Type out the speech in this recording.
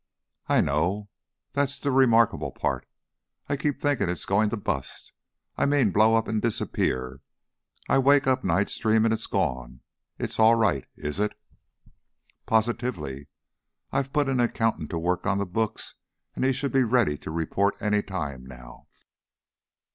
"I know. That's the remarkable part. I keep thinkin' it's goin' to bust I mean blow up an' disappear. I wake up nights dreamin' it's gone. It's all right, is it?" "Positively! I put an accountant at work on the books and he should be ready to report any time now."